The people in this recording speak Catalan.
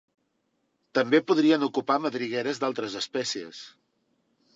També podrien ocupar madrigueres d'altres espècies.